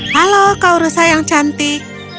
halo kau rusa yang cantik